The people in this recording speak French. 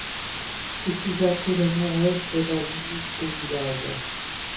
Le Šyša coule au nord-ouest de la limite du village.